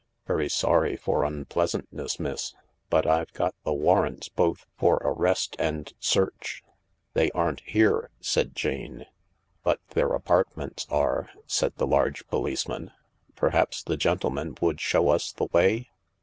Very sorry for unpleasantness, miss, but I've got the warrants both for arrest and search." "They aren't here," said Jane. "But their apartments are," said the large policeman. "Perhaps the gentleman would show us the way?